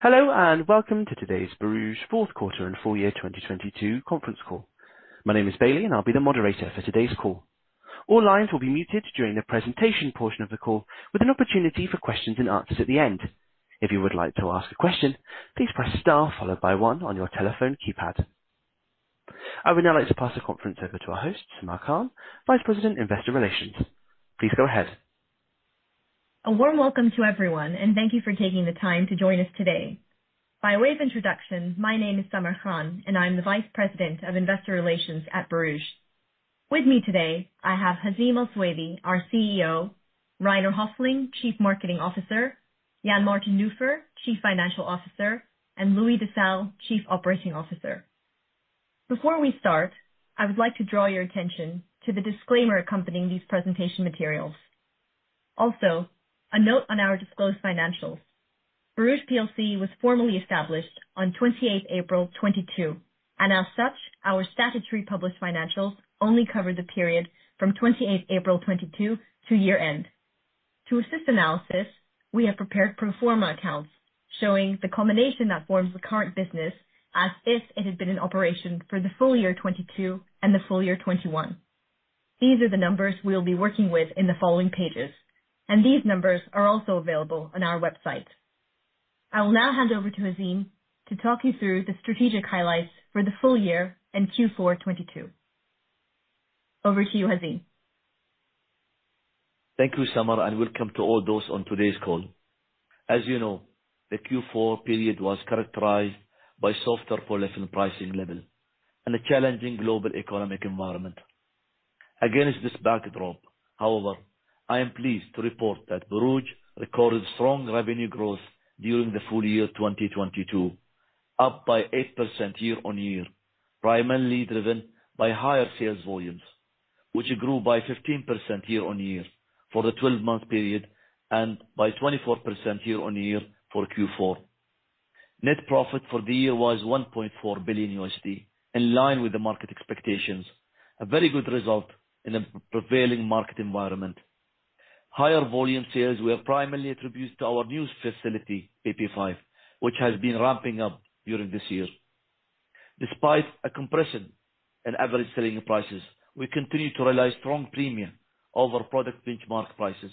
Hello, welcome to today's Borouge 4th quarter and full year 2022 conference call. My name is Bailey, I'll be the moderator for today's call. All lines will be muted during the presentation portion of the call, with an opportunity for questions and answers at the end. If you would like to ask a question, please press star followed by 1 on your telephone keypad. I would now like to pass the conference over to our host, Samar Khan, Vice President, Investor Relations. Please go ahead. A warm welcome to everyone, and thank you for taking the time to join us today. By way of introduction, my name is Samar Khan, and I'm the Vice President of Investor Relations at Borouge. With me today, I have Hazim Al-Suwaidi, our CEO, Rainer Hoefling, Chief Marketing Officer, Jan-Martin Nufer, Chief Financial Officer, and Louis Desseaux, Chief Operating Officer. Before we start, I would like to draw your attention to the disclaimer accompanying these presentation materials. A note on our disclosed financials. Borouge plc was formally established on 28th April 2022, and as such, our statutory published financials only cover the period from 28th April 2022 to year-end. To assist analysis, we have prepared pro forma accounts showing the combination that forms the current business as if it had been in operation for the full year 2022 and the full year 2021. These are the numbers we'll be working with in the following pages, and these numbers are also available on our website. I will now hand over to Hazim to talk you through the strategic highlights for the full year in Q4 2022. Over to you, Hazim. Thank you, Samar, and welcome to all those on today's call. As you know, the Q4 period was characterized by softer polyolefin pricing level and a challenging global economic environment. Against this backdrop, however, I am pleased to report that Borouge recorded strong revenue growth during the full year 2022, up by 8% year-on-year, primarily driven by higher sales volumes, which grew by 15% year-on-year for the 12-month period and by 24% year-on-year for Q4. Net profit for the year was $1.4 billion, in line with the market expectations. A very good result in a prevailing market environment. Higher volume sales were primarily attributed to our new facility, PP5, which has been ramping up during this year. Despite a compression in average selling prices, we continue to realize strong premium over product benchmark prices,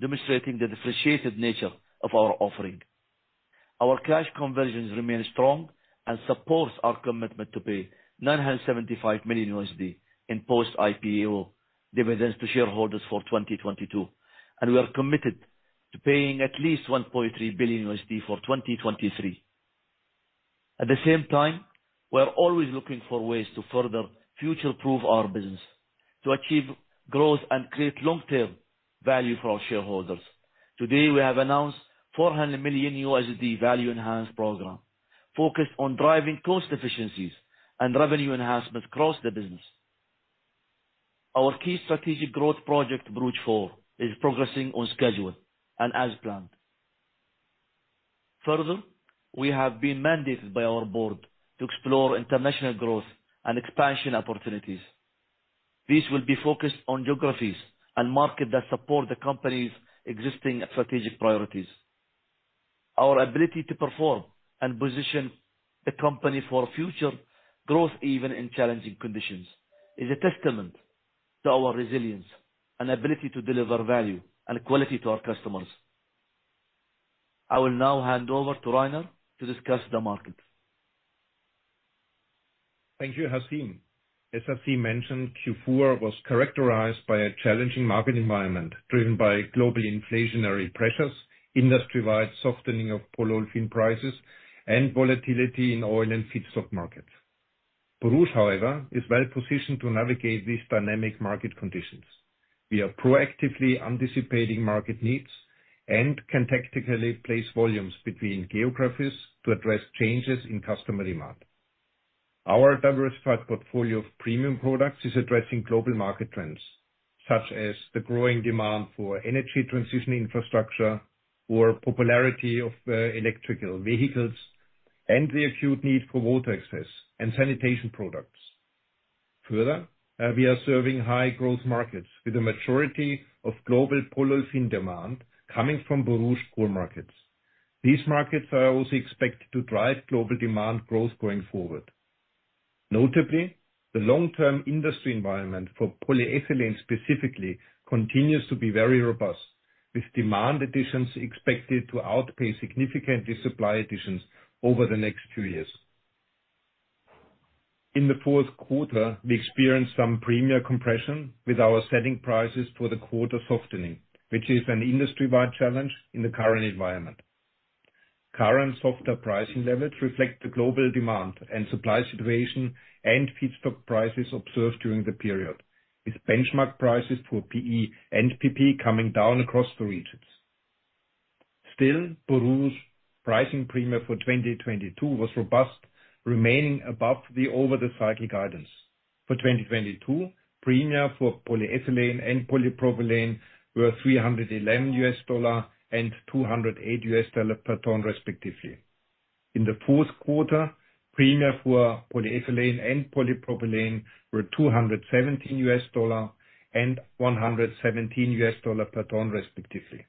demonstrating the differentiated nature of our offering. Our cash conversions remain strong and supports our commitment to pay $975 million in post-IPO dividends to shareholders for 2022, and we are committed to paying at least $1.3 billion for 2023. At the same time, we are always looking for ways to further future-proof our business to achieve growth and create long-term value for our shareholders. Today, we have announced $400 million Value Enhancement Program focused on driving cost efficiencies and revenue enhancements across the business. Our key strategic growth project, Borouge 4, is progressing on schedule and as planned. We have been mandated by our board to explore international growth and expansion opportunities. These will be focused on geographies and market that support the company's existing strategic priorities. Our ability to perform and position the company for future growth, even in challenging conditions, is a testament to our resilience and ability to deliver value and quality to our customers. I will now hand over to Rainer to discuss the market. Thank you, Hazim. As Hazim mentioned, Q4 was characterized by a challenging market environment driven by global inflationary pressures, industry-wide softening of polyolefin prices, and volatility in oil and feedstock markets. Borouge, however, is well-positioned to navigate these dynamic market conditions. We are proactively anticipating market needs and can tactically place volumes between geographies to address changes in customer demand. Our diversified portfolio of premium products is addressing global market trends, such as the growing demand for energy transition infrastructure or popularity of electrical vehicles, and the acute need for water access and sanitation products. Further, we are serving high-growth markets with the majority of global polyolefin demand coming from Borouge core markets. These markets are also expected to drive global demand growth going forward. Notably, the long-term industry environment for polyethylene specifically continues to be very robust, with demand additions expected to outpace significantly supply additions over the next two years. In the fourth quarter, we experienced some premium compression with our selling prices for the quarter softening, which is an industry-wide challenge in the current environment. Current softer pricing levels reflect the global demand and supply situation and feedstock prices observed during the period, with benchmark prices for PE and PP coming down across the regions. Still, Borouge pricing premium for 2022 was robust, remaining above the over the cycle guidance. For 2022, premia for polyethylene and polypropylene were $311 and $208 per ton, respectively. In the fourth quarter, premia for polyethylene and polypropylene were $217 and $117 per ton, respectively.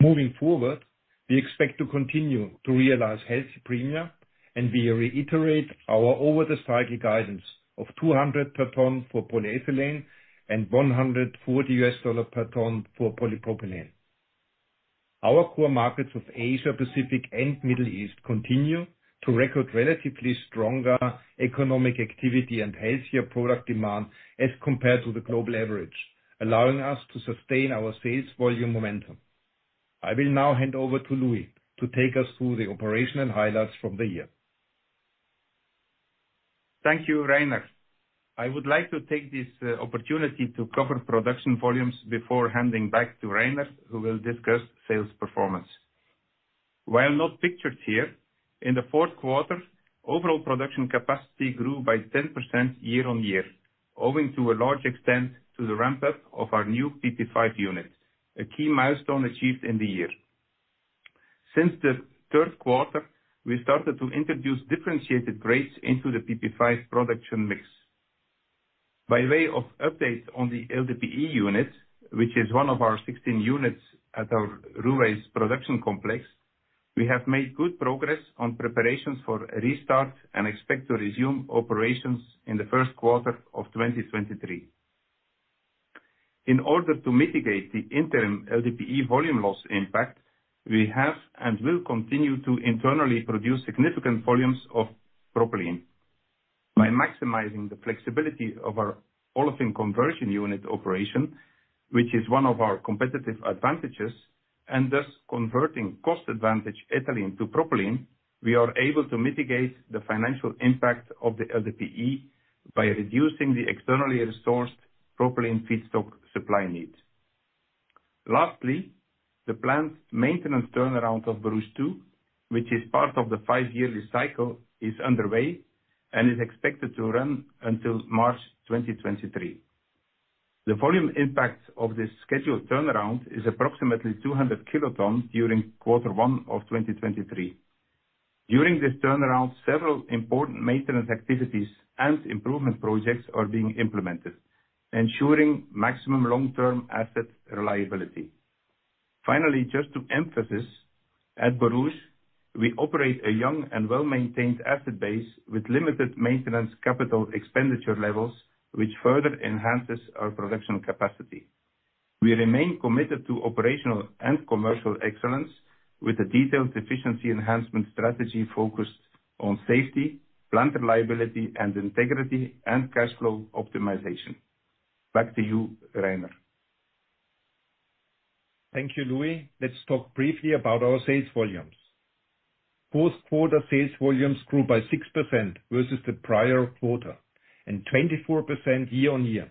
Moving forward, we expect to continue to realize healthy premia, and we reiterate our over the cycle guidance of 200 per ton for polyethylene and 140 per ton for polypropylene. Our core markets of Asia-Pacific and Middle East continue to record relatively stronger economic activity and healthier product demand as compared to the global average, allowing us to sustain our sales volume momentum. I will now hand over to Louis to take us through the operational highlights from the year. Thank you, Rainer. I would like to take this opportunity to cover production volumes before handing back to Rainer, who will discuss sales performance. While not pictured here, in the fourth quarter, overall production capacity grew by 10% year-over-year, owing to a large extent to the ramp-up of our new PP5 unit, a key milestone achieved in the year. Since the third quarter, we started to introduce differentiated grades into the PP5 production mix. By way of update on the LDPE unit, which is one of our 16 units at our Ruwais production complex, we have made good progress on preparations for a restart and expect to resume operations in the first quarter of 2023. In order to mitigate the interim LDPE volume loss impact, we have and will continue to internally produce significant volumes of propylene. By maximizing the flexibility of our olefin conversion unit operation, which is one of our competitive advantages, and thus converting cost advantage ethylene to propylene, we are able to mitigate the financial impact of the LDPE by reducing the externally sourced propylene feedstock supply needs. The planned maintenance turnaround of Borouge 2, which is part of the five-yearly cycle, is underway and is expected to run until March 2023. The volume impact of this scheduled turnaround is approximately 200 kiloton during Q1 of 2023. During this turnaround, several important maintenance activities and improvement projects are being implemented, ensuring maximum long-term asset reliability. Just to emphasize, at Borouge, we operate a young and well-maintained asset base with limited maintenance CapEx levels, which further enhances our production capacity. We remain committed to operational and commercial excellence with a detailed efficiency enhancement strategy focused on safety, plant reliability and integrity, and cash flow optimization. Back to you, Rainer. Thank you, Louis. Let's talk briefly about our sales volumes. Fourth quarter sales volumes grew by 6% versus the prior quarter and 24% year-on-year.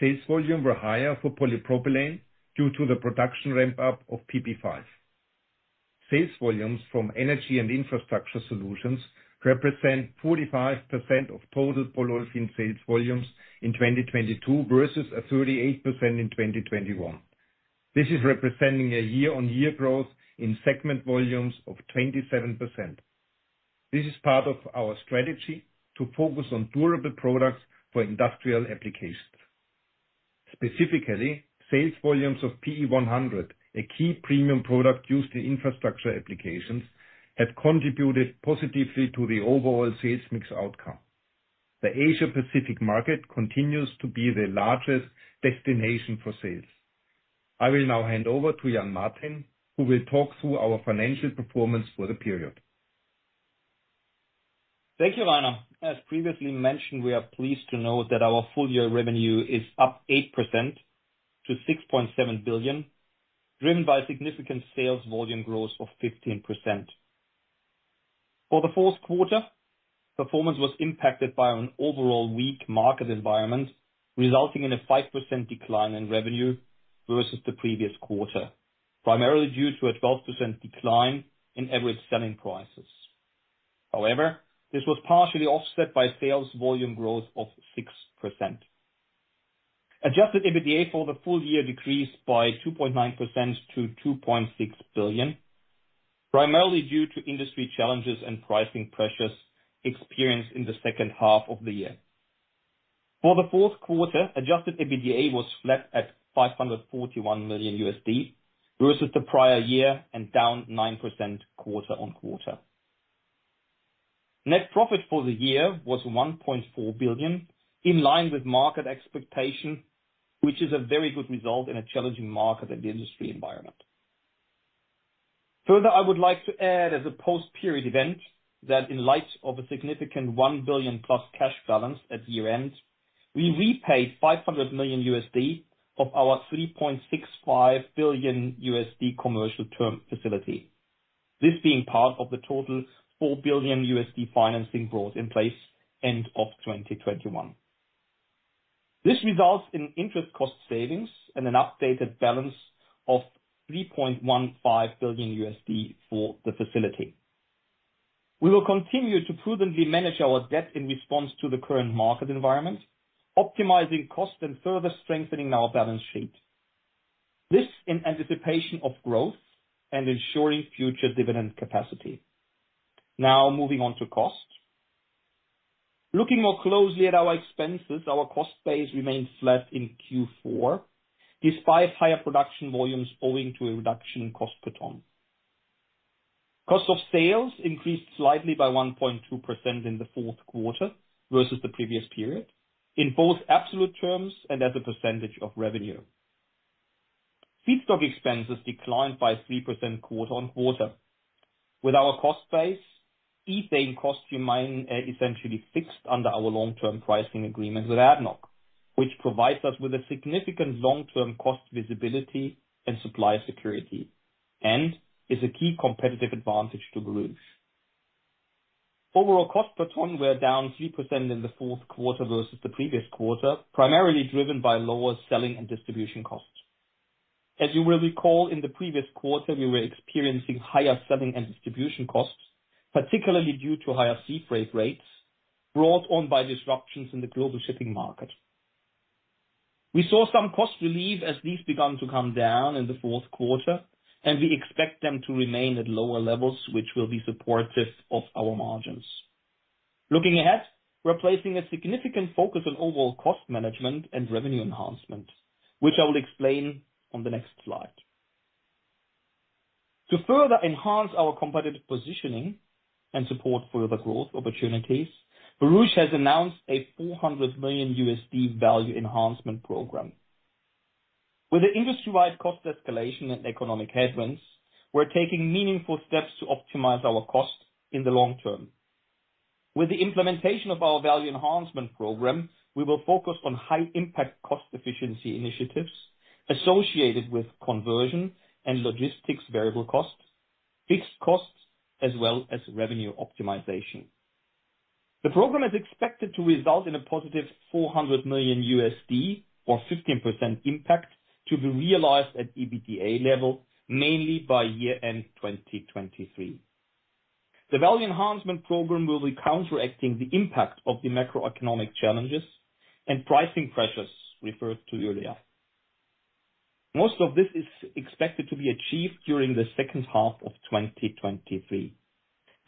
Sales volume were higher for polypropylene due to the production ramp-up of PP5. Sales volumes from energy and infrastructure solutions represent 45% of total polyolefin sales volumes in 2022 versus a 38% in 2021. This is representing a year-on-year growth in segment volumes of 27%. This is part of our strategy to focus on durable products for industrial applications. Specifically, sales volumes of PE100, a key premium product used in infrastructure applications, have contributed positively to the overall sales mix outcome. The Asia-Pacific market continues to be the largest destination for sales. I will now hand over to Jan-Martin, who will talk through our financial performance for the period. Thank you, Rainer. As previously mentioned, we are pleased to note that our full year revenue is up 8% to 6.7 billion, driven by significant sales volume growth of 15%. For the fourth quarter, performance was impacted by an overall weak market environment, resulting in a 5% decline in revenue versus the previous quarter, primarily due to a 12% decline in average selling prices. However, this was partially offset by sales volume growth of 6%. Adjusted EBITDA for the full year decreased by 2.9% to 2.6 billion, primarily due to industry challenges and pricing pressures experienced in the second half of the year. For the fourth quarter, adjusted EBITDA was flat at $541 million versus the prior year and down 9% quarter-on-quarter. Net profit for the year was 1.4 billion, in line with market expectation, which is a very good result in a challenging market and industry environment. I would like to add as a post-period event that in light of a significant 1 billion-plus cash balance at year-end, we repaid $500 million of our $3.65 billion commercial term facility, this being part of the total $4 billion financing brought in place end of 2021. This results in interest cost savings and an updated balance of $3.15 billion for the facility. We will continue to prudently manage our debt in response to the current market environment, optimizing costs and further strengthening our balance sheet. This in anticipation of growth and ensuring future dividend capacity. Moving on to cost. Looking more closely at our expenses, our cost base remains flat in Q4 despite higher production volumes owing to a reduction in cost per ton. Cost of sales increased slightly by 1.2% in the fourth quarter versus the previous period, in both absolute terms and as a % of revenue. Feedstock expenses declined by 3% quarter-on-quarter with our cost base, ethane cost remaining essentially fixed under our long-term pricing agreement with ADNOC, which provides us with a significant long-term cost visibility and supply security, and is a key competitive advantage to Borouge. Overall cost per ton were down 3% in the fourth quarter versus the previous quarter, primarily driven by lower selling and distribution costs. As you will recall, in the previous quarter, we were experiencing higher selling and distribution costs, particularly due to higher sea freight rates brought on by disruptions in the global shipping market. We saw some cost relief as these began to come down in the fourth quarter, and we expect them to remain at lower levels, which will be supportive of our margins. Looking ahead, we're placing a significant focus on overall cost management and revenue enhancement, which I will explain on the next slide. To further enhance our competitive positioning and support further growth opportunities, Borouge has announced a $400 million value enhancement program. With the industry-wide cost escalation and economic headwinds, we're taking meaningful steps to optimize our costs in the long term. With the implementation of our value enhancement program, we will focus on high impact cost efficiency initiatives associated with conversion and logistics variable costs, fixed costs, as well as revenue optimization. The program is expected to result in a positive $400 million or 15% impact to be realized at EBITDA level, mainly by year end 2023. The value enhancement program will be counteracting the impact of the macroeconomic challenges and pricing pressures referred to earlier. Most of this is expected to be achieved during the second half of 2023.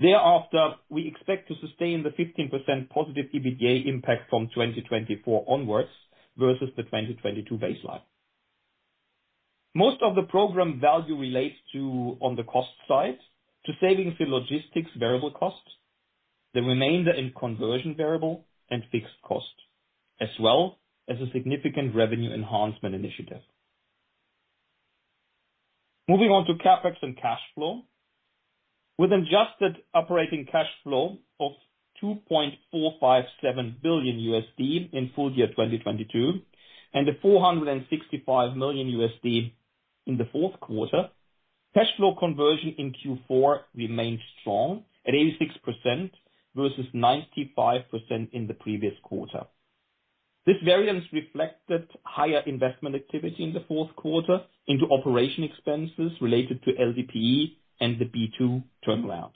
Thereafter, we expect to sustain the 15% positive EBITDA impact from 2024 onwards versus the 2022 baseline. Most of the program value relates to, on the cost side, to savings in logistics variable costs, the remainder in conversion variable and fixed costs, as well as a significant revenue enhancement initiative. Moving on to CapEx and cash flow. With adjusted operating cash flow of $2.457 billion in full year 2022, and $465 million in the fourth quarter, cash flow conversion in Q4 remained strong at 86% versus 95% in the previous quarter. This variance reflected higher investment activity in the fourth quarter into operation expenses related to LDPE and the B2 turnaround.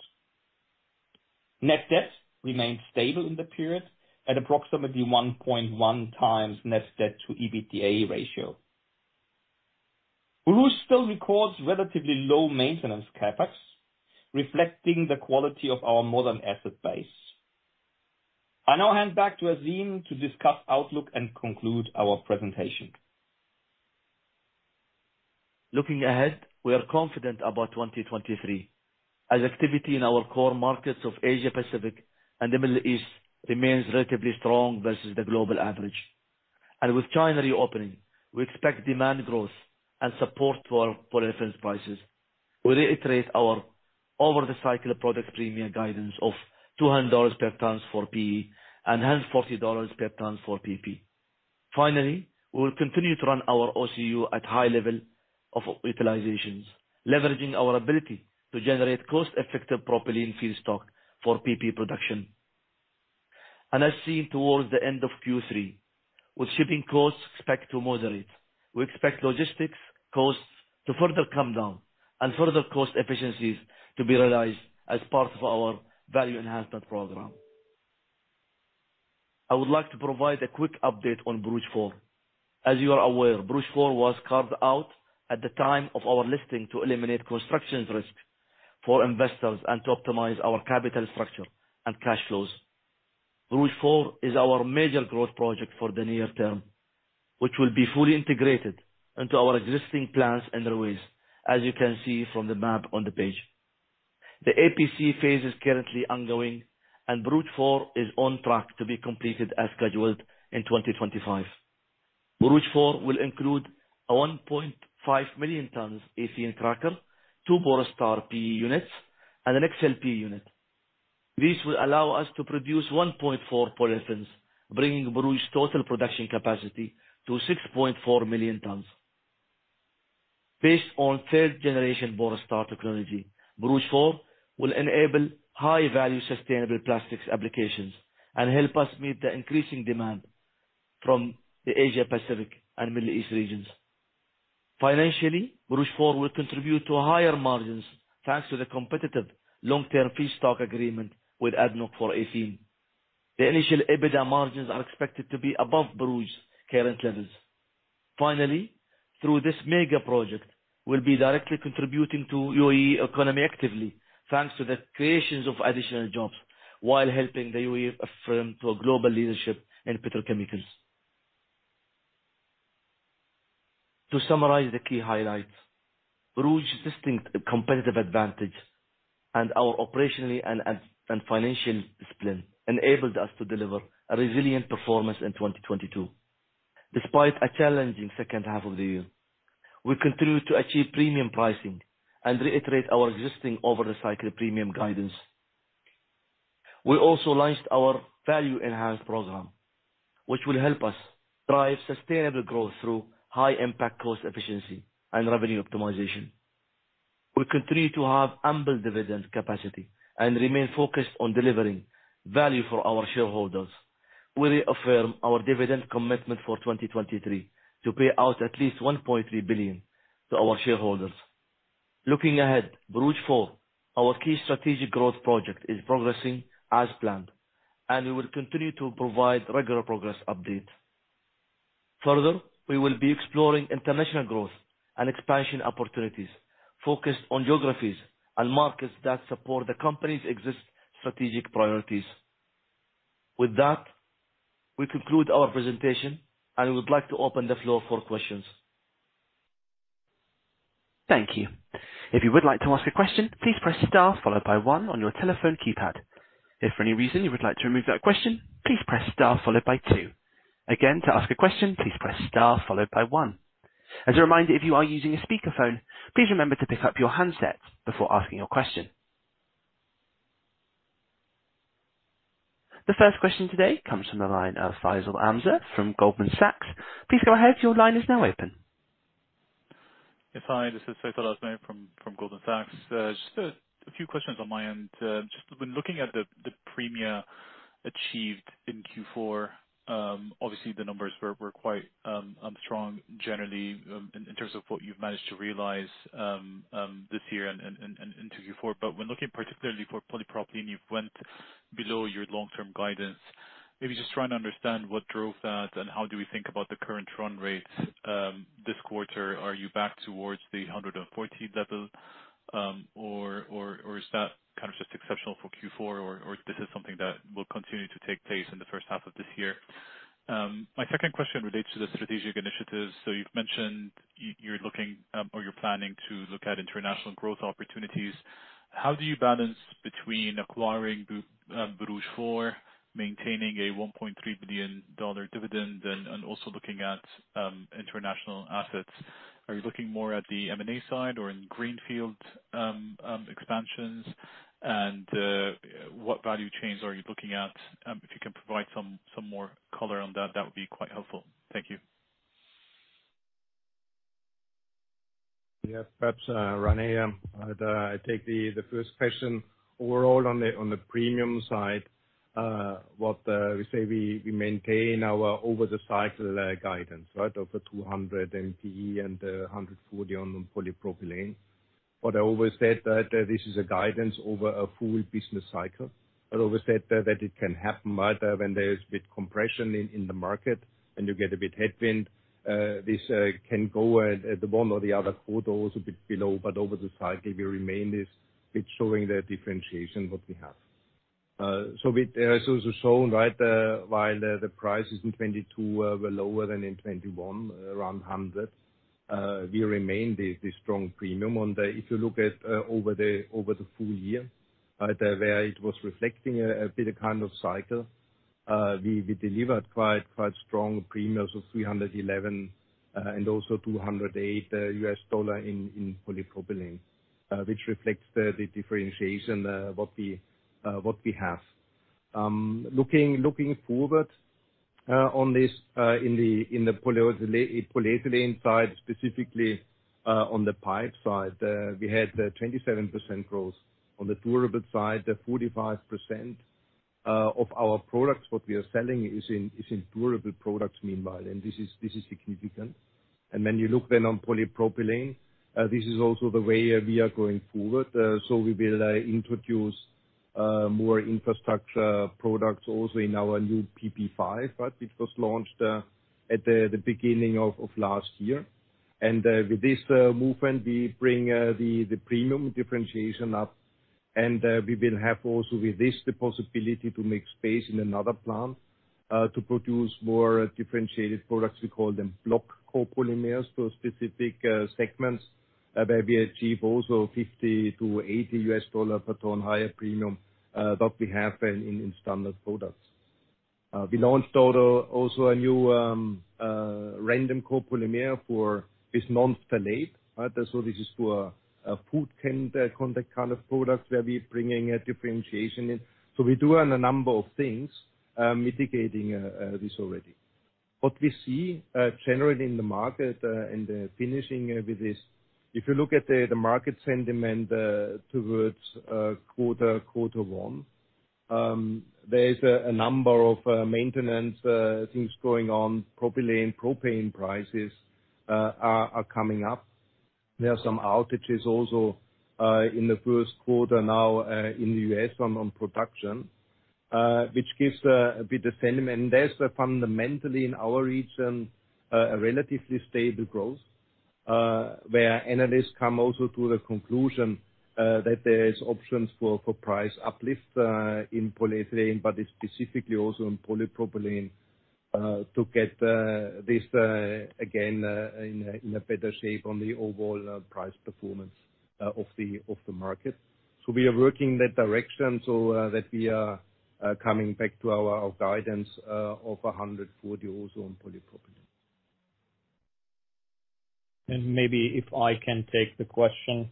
Net debt remained stable in the period at approximately 1.1 times net debt to EBITDA ratio. Borouge still records relatively low maintenance CapEx, reflecting the quality of our modern asset base. I now hand back to Hazim to discuss outlook and conclude our presentation. Looking ahead, we are confident about 2023 as activity in our core markets of Asia Pacific and the Middle East remains relatively strong versus the global average. With China reopening, we expect demand growth and support for our polyolefins prices. We reiterate our over the cycle product premium guidance of $200 per ton for PE and $140 per ton for PP. Finally, we will continue to run our OCU at high level of utilization, leveraging our ability to generate cost-effective propylene feedstock for PP production. As seen towards the end of Q3, with shipping costs expected to moderate, we expect logistics costs to further come down and further cost efficiencies to be realized as part of our value enhancement program. I would like to provide a quick update on Borouge 4. As you are aware, Borouge 4 was carved out at the time of our listing to eliminate construction risk for investors and to optimize our capital structure and cash flows. Borouge 4 is our major growth project for the near term, which will be fully integrated into our existing plants and railways, as you can see from the map on the page. The EPC phase is currently ongoing and Borouge 4 is on track to be completed as scheduled in 2025. Borouge 4 will include a 1.5 million tons ethane cracker, two Borstar PE units, and an XLPE unit. This will allow us to produce 1.4 polyolefins, bringing Borouge total production capacity to 6.4 million tons. Based on third generation Borstar technology, Borouge 4 will enable high-value, sustainable plastics applications and help us meet the increasing demand from the Asia Pacific and Middle East regions. Financially, Borouge 4 will contribute to higher margins, thanks to the competitive long-term feedstock agreement with ADNOC for ethane. The initial EBITDA margins are expected to be above Borouge current levels. Finally, through this mega project, we'll be directly contributing to UAE economy actively, thanks to the creations of additional jobs while helping the UAE affirm to a global leadership in petrochemicals. To summarize the key highlights, Borouge distinct competitive advantage and our operationally and financial discipline enabled us to deliver a resilient performance in 2022, despite a challenging second half of the year. We continue to achieve premium pricing and reiterate our existing over the cycle premium guidance. We also launched our Value Enhancement Program, which will help us drive sustainable growth through high impact cost efficiency and revenue optimization. We continue to have ample dividend capacity and remain focused on delivering value for our shareholders. We reaffirm our dividend commitment for 2023 to pay out at least $1.3 billion to our shareholders. Looking ahead, Borouge 4, our key strategic growth project is progressing as planned, and we will continue to provide regular progress updates. Further, we will be exploring international growth and expansion opportunities focused on geographies and markets that support the company's existing strategic priorities. With that, we conclude our presentation and would like to open the floor for questions. Thank you. If you would like to ask a question, please press star followed by one on your telephone keypad. If for any reason you would like to remove that question, please press star followed by two. Again, to ask a question, please press star followed by one. As a reminder, if you are using a speakerphone, please remember to pick up your handset before asking your question. The first question today comes from the line of Faisal Al-Azmeh from Goldman Sachs. Please go ahead, your line is now open. Yes, hi, this is Faisal Al-Azmeh from Goldman Sachs. Just a few questions on my end. Just when looking at the premier achieved in Q4, obviously the numbers were quite strong generally, in terms of what you've managed to realize this year and into Q4. When looking particularly for polypropylene, you've went below your long-term guidance. Maybe just trying to understand what drove that and how do we think about the current run rates this quarter. Are you back towards the 114 level, or is that kind of just exceptional for Q4, or this is something that will continue to take place in the first half of this year? My second question relates to the strategic initiatives. You've mentioned you're looking, or you're planning to look at international growth opportunities. How do you balance between acquiring Borouge 4, maintaining a $1.3 billion dividend and also looking at international assets? Are you looking more at the M and A side or in greenfield expansions? What value chains are you looking at? If you can provide some more color on that would be quite helpful. Thank you. Yes. Perhaps, Rainer, I'd take the first question. Overall on the premium side, what we say we maintain our over the cycle guidance, right? Of the 200 MP and the 140 on the polypropylene. I always said that this is a guidance over a full business cycle. I always said that it can happen, right, when there's a bit compression in the market and you get a bit headwind, this can go at the one or the other quarter or so a bit below. Over the cycle, we remain this bit showing the differentiation what we have. We, as also shown, right, while the price is in 2022, were lower than in 2021, around 100, we remain the strong premium. If you look at over the full year, right, where it was reflecting a bit of kind of cycle, we delivered quite strong premiums of $311 and also $208 in polypropylene, which reflects the differentiation what we have. Looking forward on this in the polyethylene side, specifically on the pipe side, we had 27% growth. On the durable side, 45% of our products, what we are selling is in durable products meanwhile. This is significant. When you look then on polypropylene, this is also the way we are going forward. We will introduce more infrastructure products also in our new PP5. It was launched at the beginning of last year. With this movement, we bring the premium differentiation up. We will have also with this the possibility to make space in another plant to produce more differentiated products. We call them block copolymers for specific segments, where we achieve also $50-$80 per ton higher premium that we have in standard products. We launched a new random copolymer for this non-phthalate. Right? This is for a food contact kind of product where we're bringing a differentiation in. We do have a number of things mitigating this already. What we see generally in the market, and finishing with this, if you look at the market sentiment towards quarter one, there is a number of maintenance things going on. Propylene, propane prices are coming up. There are some outages also in the first quarter now in the U.S. On production, which gives a bit of sentiment. There's fundamentally in our region a relatively stable growth, where analysts come also to the conclusion that there is options for price uplift in polyethylene, but specifically also in polypropylene, to get this again in a better shape on the overall price performance of the market. We are working that direction so, that we are coming back to our guidance of 100 for the our own polypropylene. Maybe if I can take the question.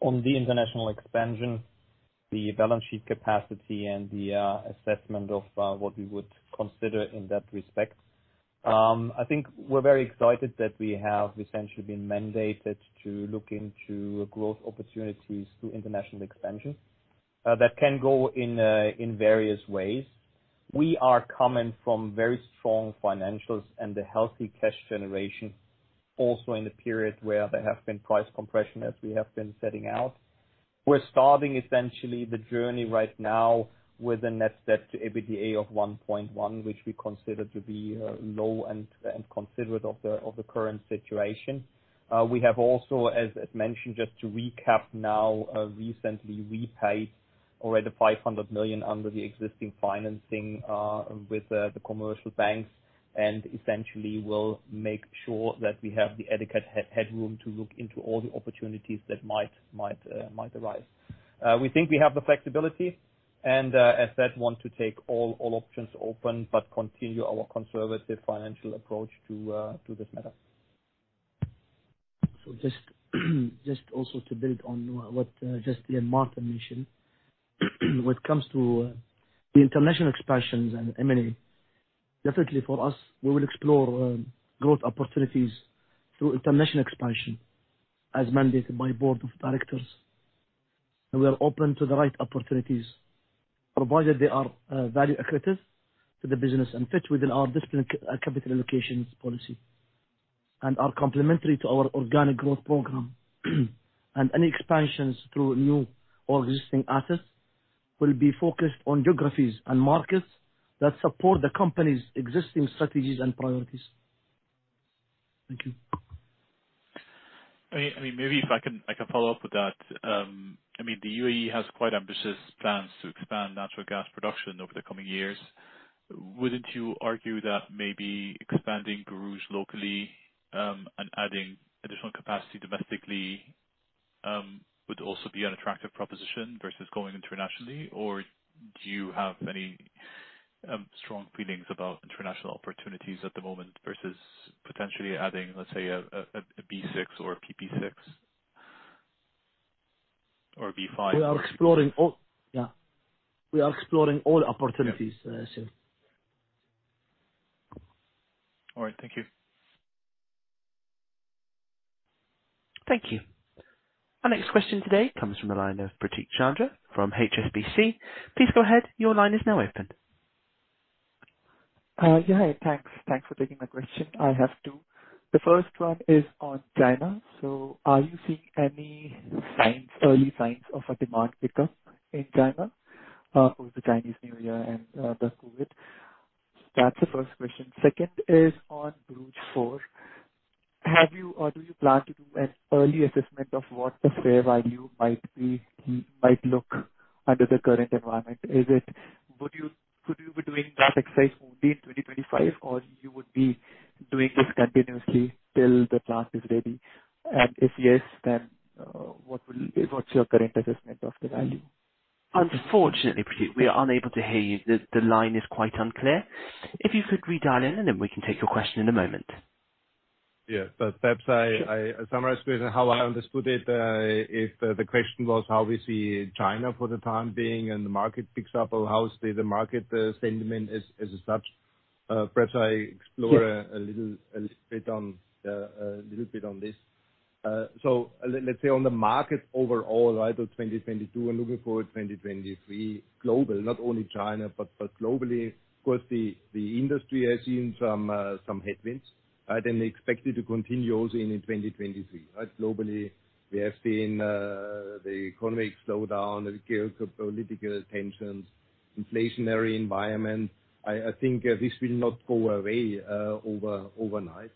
On the international expansion, the balance sheet capacity and the assessment of what we would consider in that respect, I think we're very excited that we have essentially been mandated to look into growth opportunities through international expansion that can go in various ways. We are coming from very strong financials and a healthy cash generation also in the period where there have been price compression as we have been setting out. We're starting essentially the journey right now with a net debt to EBITDA of 1.1, which we consider to be low and considerate of the current situation. We have also, as mentioned, just to recap now, recently repaid already 500 million under the existing financing with the commercial banks, and essentially will make sure that we have the adequate headroom to look into all the opportunities that might arise. We think we have the flexibility and as said, want to take all options open but continue our conservative financial approach to this matter. Just also to build on what just Jan-Martin mentioned. When it comes to the international expansions and M and A, definitely for us, we will explore growth opportunities through international expansion as mandated by board of directors. We are open to the right opportunities, provided they are value accretive to the business and fit within our discipline capital allocation policy and are complementary to our organic growth program. Any expansions through new or existing assets will be focused on geographies and markets that support the company's existing strategies and priorities. Thank you. I mean, maybe if I can follow up with that. I mean, the UAE has quite ambitious plans to expand natural gas production over the coming years. Wouldn't you argue that maybe expanding Borouge locally, and adding additional capacity domestically, would also be an attractive proposition versus going internationally? Do you have any strong feelings about international opportunities at the moment versus potentially adding, let's say a B6 or a PP6? Or B5? We are exploring all opportunities, so. All right. Thank you. Thank you. Our next question today comes from the line of Prateek Dutta from HSBC. Please go ahead. Your line is now open. Yeah. Thanks. Thanks for taking my question. I have two. The first one is on China. Are you seeing any signs, early signs of a demand pickup in China over the Chinese New Year and the COVID? That's the first question. Second is on Borouge 4. Have you or do you plan to do an early assessment of what the fair value might look under the current environment? Could you be doing that exercise only in 2025 or you would be doing this continuously till the plant is ready? If yes, then, what's your current assessment of the value? Unfortunately, Prateek, we are unable to hear you. The line is quite unclear. If you could redial in and then we can take your question in a moment. Yeah. Perhaps I summarize question how I understood it. If the question was how we see China for the time being and the market picks up or how is the market sentiment as such, perhaps I. Yes. A little bit on this. Let's say on the market overall, right, of 2022 and looking forward 2023, global, not only China, but globally, of course, the industry has seen some headwinds, right, and expected to continue also in 2023. Globally, we have seen the economic slowdown, geopolitical tensions, inflationary environment. I think this will not go away overnight.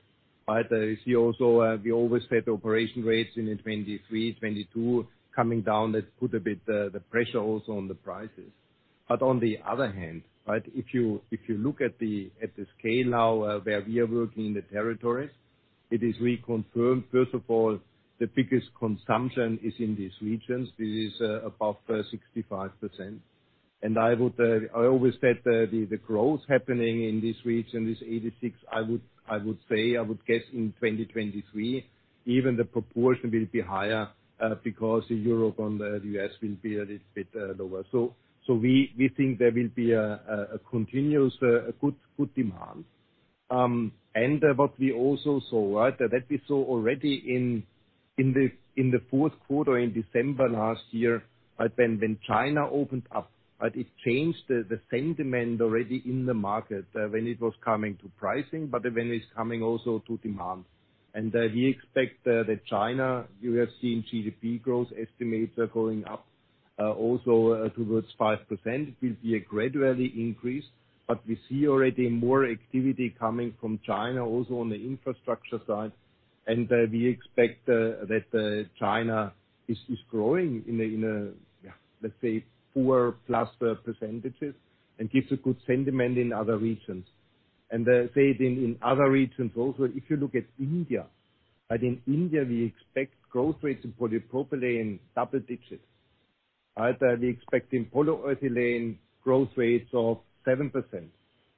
If you also, we always set operation rates in a 2023, 2022 coming down, that put a bit the pressure also on the prices. On the other hand, right, if you look at the scale now where we are working in the territories, it is reconfirmed, first of all, the biggest consumption is in these regions. It is above 65%. I would, I always said the growth happening in this region, this 86%, I would say, I would guess in 2023, even the proportion will be higher because Europe and the US will be a little bit lower. We think there will be a continuous good demand. What we also saw, right, that we saw already in the 4th quarter in December last year, right, when China opened up, right, it changed the sentiment already in the market when it was coming to pricing, but when it's coming also to demand. We expect that China, you have seen GDP growth estimates are going up. Also towards 5% will be a gradually increase, but we see already more activity coming from China also on the infrastructure side. We expect that China is growing in a, in a, let's say four plus %, and gives a good sentiment in other regions. In other regions also, if you look at India, like in India, we expect growth rates in polypropylene double digits. Either we expect in polyethylene growth rates of 7%.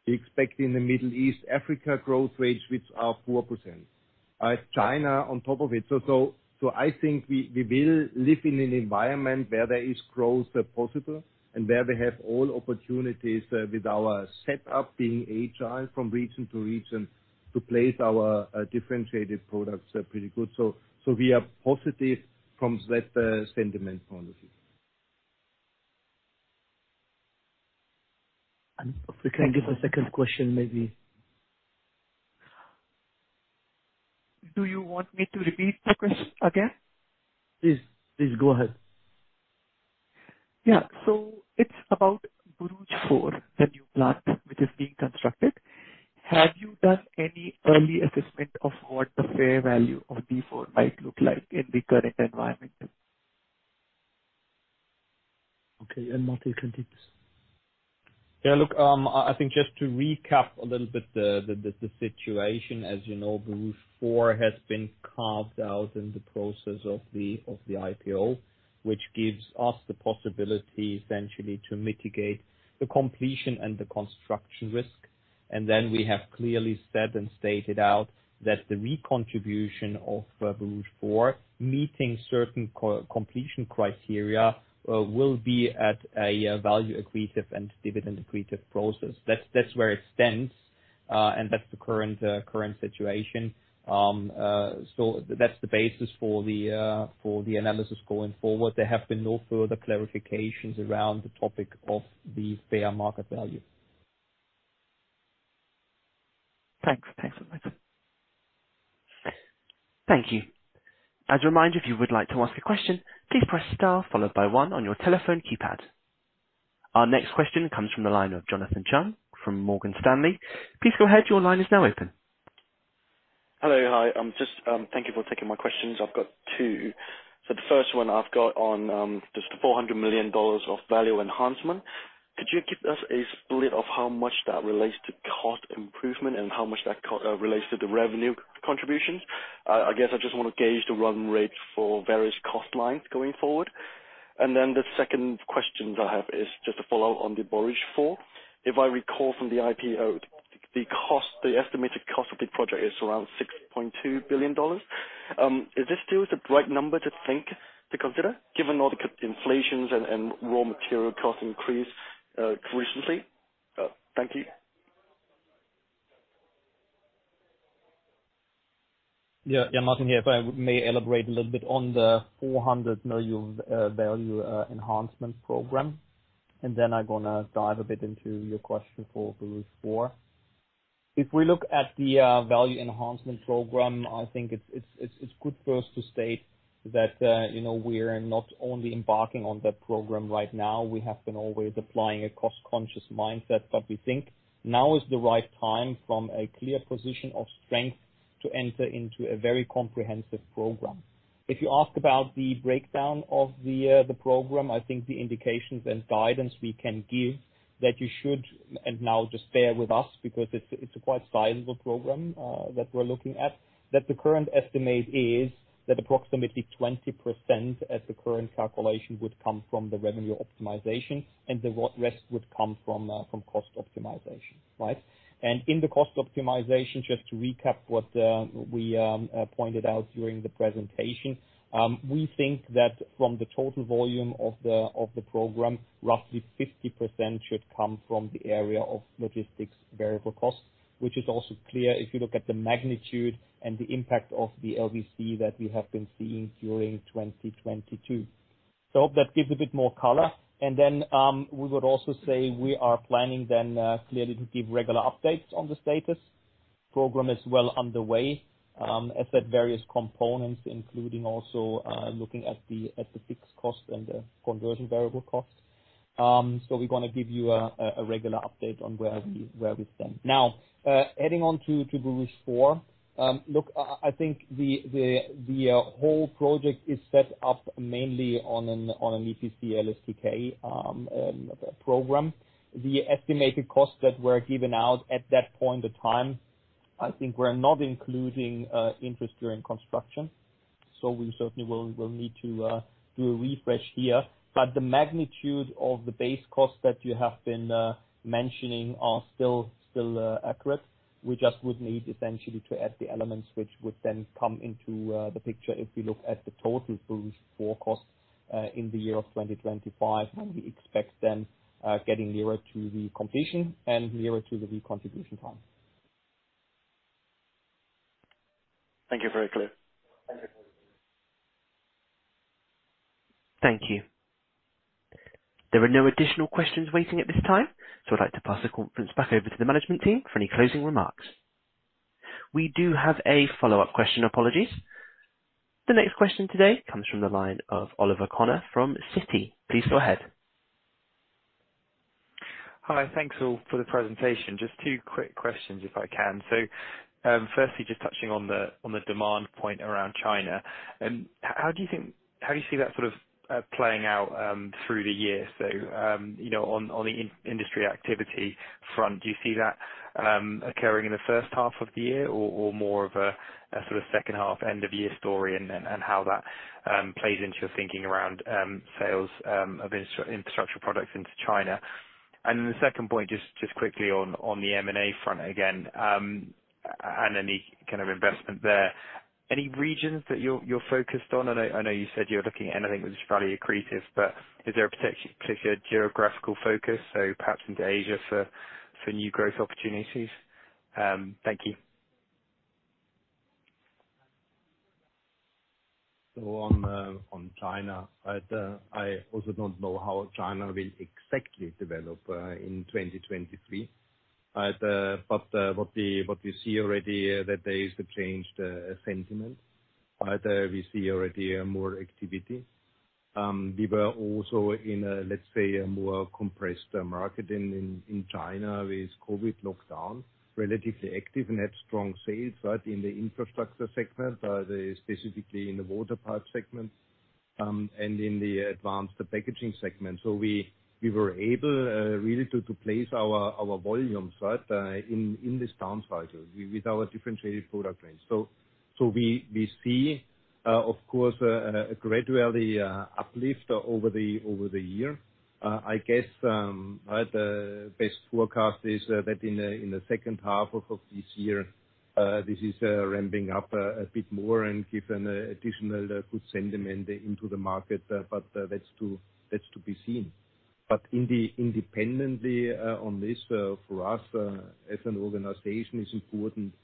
We expect in the Middle East, Africa growth rates which are 4%. China on top of it. I think we will live in an environment where there is growth possible and where we have all opportunities with our set up being agile from region to region to place our differentiated products pretty good. We are positive from that sentiment point of view. If we can give a second question, maybe? Do you want me to repeat the question again? Please go ahead. It's about Borouge 4, the new plant which is being constructed. Have you done any early assessment of what the fair value of B4 might look like in the current environment? Okay. Martin can take this. Look, I think just to recap a little bit the situation. As you know, Borouge 4 has been carved out in the process of the IPO, which gives us the possibility essentially to mitigate the completion and the construction risk. We have clearly said and stated out that the recontribution of Borouge 4, meeting certain co-completion criteria, will be at a value accretive and dividend accretive process. That's where it stands, and that's the current situation. That's the basis for the analysis going forward. There have been no further clarifications around the topic of the fair market value. Thanks. Thanks so much. Thank you. As a reminder, if you would like to ask a question, please press star followed by one on your telephone keypad. Our next question comes from the line of Jonathan Fyfe from Morgan Stanley. Please go ahead. Your line is now open. Hello. Hi. I'm just. Thank you for taking my questions. I've got two. The first one I've got on just the $400 million of value enhancement. Could you give us a split of how much that relates to cost improvement and how much that relates to the revenue contributions? I guess I just wanna gauge the run rates for various cost lines going forward. The second question I have is just to follow on the Borouge 4. If I recall from the IPO, the cost, the estimated cost of the project is around $6.2 billion. Is this still the right number to think, to consider given all the inflations and raw material cost increase recently? Thank you. Yeah. Yeah, Martin here. If I may elaborate a little bit on the $400 million value enhancement program, and then I'm gonna dive a bit into your question for Borouge 4. If we look at the value enhancement program, I think it's good for us to state that, you know, we're not only embarking on that program right now, we have been always applying a cost-conscious mindset. We think now is the right time from a clear position of strength to enter into a very comprehensive program. If you ask about the breakdown of the program, I think the indications and guidance we can give that you should, and now just bear with us because it's a quite sizable program that we're looking at. That the current estimate is that approximately 20% as the current calculation would come from the revenue optimization and the rest would come from cost optimization, right? In the cost optimization, just to recap what we pointed out during the presentation, we think that from the total volume of the program, roughly 50% should come from the area of logistics variable costs, which is also clear if you look at the magnitude and the impact of the LVC that we have been seeing during 2022. I hope that gives a bit more color. We would also say we are planning then, clearly to give regular updates on the status program as well underway, as at various components, including also, looking at the fixed cost and the conversion variable costs. We're gonna give you a regular update on where we stand. Now, heading on to Borouge 4. Look, I think the whole project is set up mainly on an EPC LSTK program. The estimated costs that were given out at that point of time, I think we're not including interest during construction, we certainly will need to do a refresh here. The magnitude of the base costs that you have been mentioning are still accurate. We just would need essentially to add the elements which would then come into the picture if we look at the total Borouge 4 costs in the year of 2025, and we expect then getting nearer to the completion and nearer to the recontribution time. Thank you. Very clear. Thank you. There are no additional questions waiting at this time. I'd like to pass the conference back over to the management team for any closing remarks. We do have a follow-up question. Apologies. The next question today comes from the line of Oliver Connor from Citi. Please go ahead. Hi. Thanks all for the presentation. Just two quick questions if I can. Firstly, just touching on the demand point around China, how do you see that sort of playing out through the year? You know, on the in-industry activity front, do you see that occurring in the first half of the year or more of a sort of second half end of year story, and then, and how that plays into your thinking around sales of infrastructure products into China? The second point, just quickly on the M and A front again, and any kind of investment there. Any regions that you're focused on? I know, I know you said you're looking at anything which is value accretive. Is there a potential particular geographical focus, so perhaps into Asia for new growth opportunities? Thank you. On China, I also don't know how China will exactly develop in 2023. What we see already that there is a changed sentiment. We see already more activity. We were also in a, let's say, a more compressed market in China with COVID lockdown, relatively active and had strong sales, right? In the infrastructure segment, specifically in the water pipe segment, and in the advanced packaging segment. We were able really to place our volumes, right? In this downcycle with our differentiated product range. We see, of course, a gradually uplift over the year. I guess, right, the best forecast is that in the second half of this year, this is ramping up a bit more and given additional good sentiment into the market. That's to, that's to be seen. In the independently, on this, for us, as an organization, it's important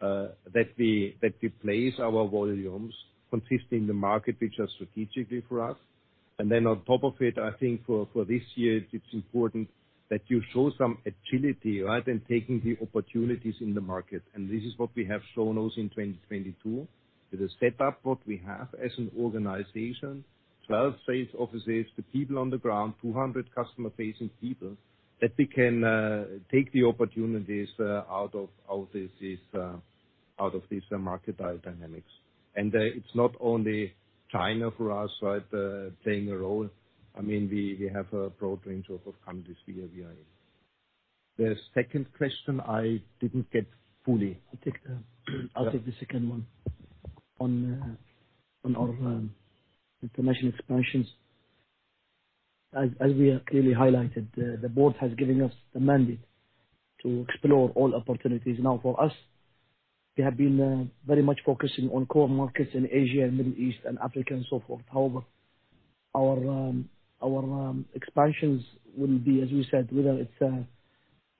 that we, that we place our volumes consistent in the market which are strategically for us. Then on top of it, I think for this year, it's important that you show some agility, right? In taking the opportunities in the market. This is what we have shown also in 2022. With the setup what we have as an organization, 12 sales offices with people on the ground, 200 customer-facing people, that we can take the opportunities out of this, out of these market dynamics. It's not only China for us, right? playing a role. I mean, we have a broad range of countries we are viewing. The second question I didn't get fully. I'll take the second one. On our international expansions. As we have clearly highlighted, the board has given us the mandate to explore all opportunities. For us, we have been very much focusing on core markets in Asia and Middle East and Africa and so forth. Our expansions will be, as we said, whether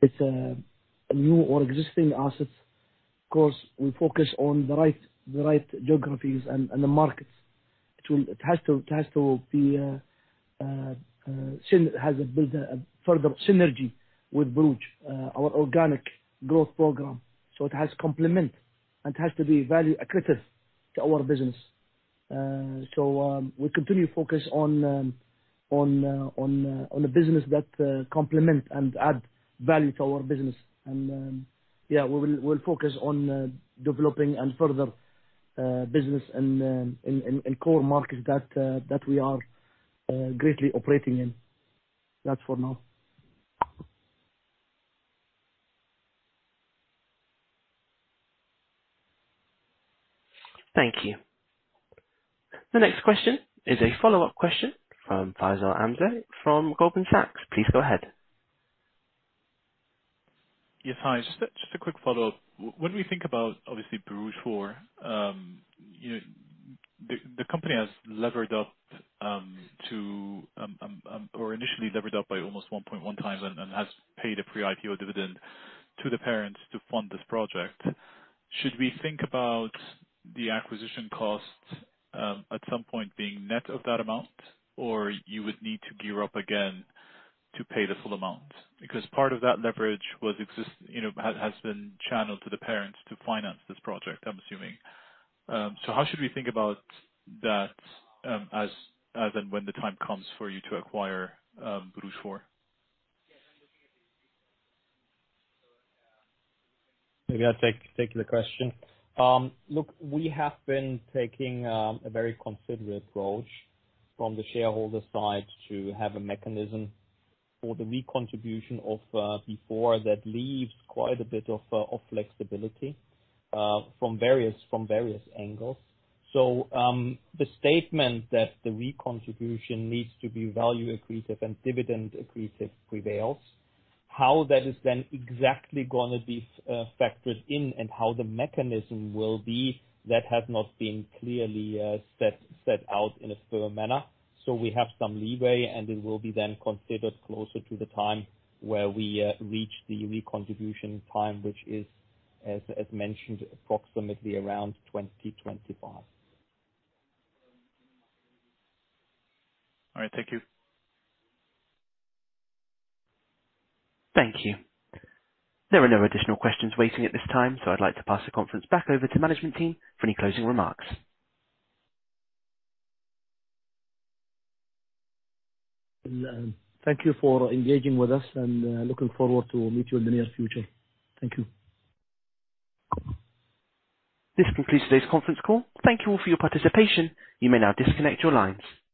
it's a new or existing assets. We focus on the right geographies and the markets. It has to be has a build, a further synergy with Borouge, our organic growth program. It has complement and has to be value accretive to our business. We continue to focus on the business that complement and add value to our business. We'll focus on developing and further business in, in core markets that we are greatly operating in. That's for now. Thank you. The next question is a follow-up question from Faisal Al-Azmeh from Goldman Sachs. Please go ahead. Yes. Hi. Just a quick follow-up. When we think about obviously Borouge 4, you know, the company has levered up to or initially levered up by almost 1.1 times and has paid a pre-IPO dividend to the parents to fund this project. Should we think about the acquisition cost at some point being net of that amount, or you would need to gear up again to pay the full amount? Because part of that leverage was exist, you know, has been channeled to the parents to finance this project, I'm assuming. How should we think about that as and when the time comes for you to acquire Borouge 4? Maybe I'll take the question. Look, we have been taking a very considered approach from the shareholder side to have a mechanism for the recontribution of B4 that leaves quite a bit of flexibility from various angles. The statement that the recontribution needs to be value accretive and dividend accretive prevails. How that is then exactly gonna be factored in and how the mechanism will be, that has not been clearly set out in a fair manner. We have some leeway, and it will be then considered closer to the time where we reach the recontribution time, which is, as mentioned, approximately around 2025. All right. Thank you. Thank you. There are no additional questions waiting at this time, so I'd like to pass the conference back over to management team for any closing remarks. Thank you for engaging with us, and looking forward to meet you in the near future. Thank you. This concludes today's conference call. Thank you all for your participation. You may now disconnect your lines.